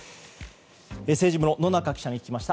政治部の野中記者に聞きました。